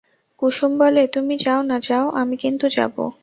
কুসুম বলে, তুমি যাও না যাও আমি কিন্তু যাব।